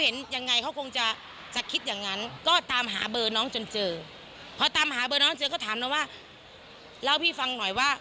เห็นยังไงอันนี้พี่จะเล่าให้ฟัง